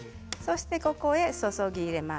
ここへ注ぎ入れます。